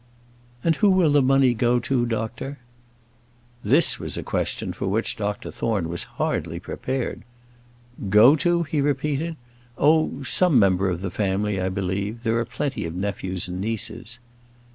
"And who will the money go to, doctor?" This was a question for which Dr Thorne was hardly prepared. "Go to?" he repeated. "Oh, some member of the family, I believe. There are plenty of nephews and nieces."